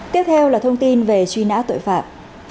tiếp theo là thông tin về truy nã tội phạm